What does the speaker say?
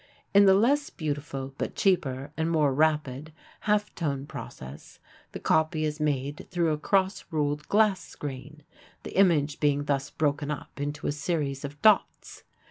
In the less beautiful but cheaper and more rapid half tone process the copy is made through a cross ruled glass screen, the image being thus broken up into a series of dots.